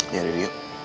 biar diri yuk